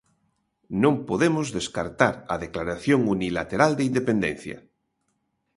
Non podemos descartar a declaración unilateral de independencia.